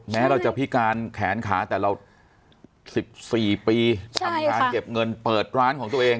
แม้เราจะพิการแขนขาแต่เรา๑๔ปีทำงานเก็บเงินเปิดร้านของตัวเอง